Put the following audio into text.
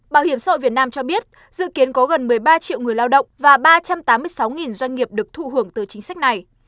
bảo hiểm xã hội việt nam cho biết dự kiến có gần một mươi ba triệu người lao động và ba trăm tám mươi sáu doanh nghiệp được thụ hưởng từ chính sách này